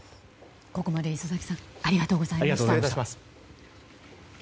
ここまで礒崎さんありがとうございました。